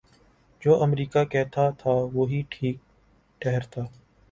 جو امریکہ کہتاتھا وہی ٹھیک ٹھہرتا۔